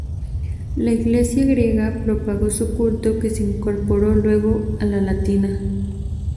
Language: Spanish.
La Iglesia griega propagó su culto, que se incorporó luego a la latina.